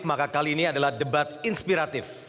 maka kali ini adalah debat inspiratif